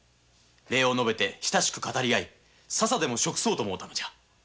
礼を述べ語り合いささでも食そうと思うたのじゃ。